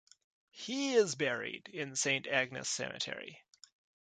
He is buried in Saint Agnes cemetery.